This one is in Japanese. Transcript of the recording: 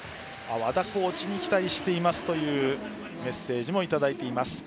和田コーチに期待していますというメッセージもいただいています。